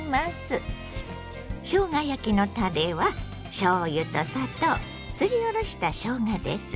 しょうが焼きのたれはしょうゆと砂糖すりおろしたしょうがです。